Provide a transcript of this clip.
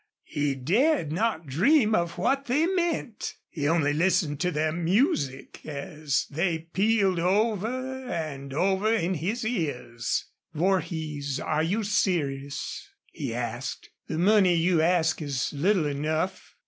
He dared not dream of what they meant. He only listened to their music as they pealed over and over in his ears. "Vorhees, are you serious?" he asked. "The money you ask is little enough."